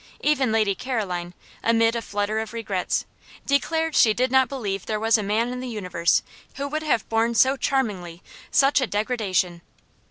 Even Lady Caroline, amid a flutter of regrets, declared she did not believe there was a man in the universe who would have borne so charmingly such a "degradation."